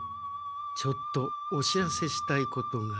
ちょっとお知らせしたいことが。